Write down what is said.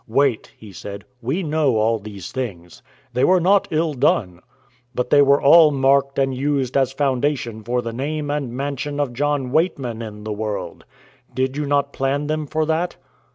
"Wait," he said; "we know all these things. They were not ill done. But they were all marked and used as foundation for the name and mansion of John Weightman in the world. Did you not plan them for that?"